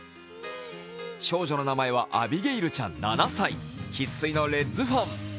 少女の名前はアビゲイルちゃん７歳生っ粋のレッズファン。